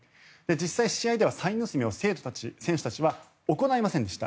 実際、試合ではサイン盗みを選手たちは行いませんでした。